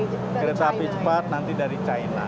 jadi kita bisa membeli kereta api cepat nanti dari china